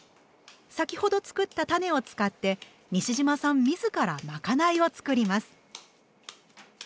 先ほど作ったたねを使って西島さん自らまかないを作ります。